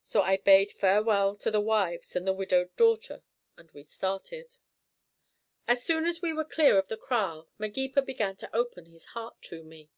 So I bade farewell to the wives and the widowed daughter, and we started. As soon as we were clear of the kraal Magepa began to open his heart to me.